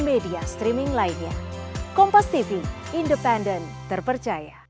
media streaming lainnya kompas tv independen terpercaya